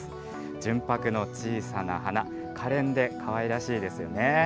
純白の小さな花、かれんでかわいらしいですよね。